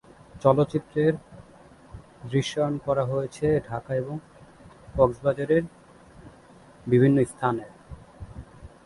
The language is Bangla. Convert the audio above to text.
চলচ্চিত্রের দৃশ্যায়ন করা হয়েছে ঢাকা এবং কক্সবাজারের বিভিন্ন স্থানে।